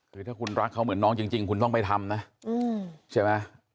คือถ้าคุณรักเขาเหมือนน้องจริงคุณต้องไปทำนะใช่ไหม